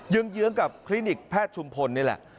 ยื้องกับคฤนิกแพทชุมภนีแหละ